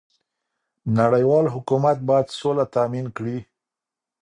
نړيوال حکومت بايد سوله تامين کړي.